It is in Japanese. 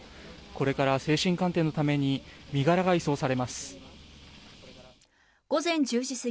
これから精神鑑定のために身柄が移送されます。